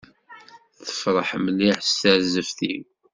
Tefreḥ mliḥ s terzeft-iw.